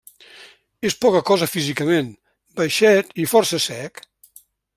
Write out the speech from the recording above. És poca cosa físicament, baixet i força sec.